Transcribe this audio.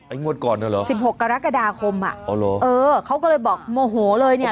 งวดก่อนน่ะเหรอสิบหกกรกฎาคมอ่ะอ๋อเหรอเออเขาก็เลยบอกโมโหเลยเนี่ย